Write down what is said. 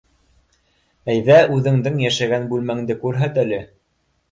Әйҙә үҙеңдең йәшәгән бүлмәңде күрһәт әле.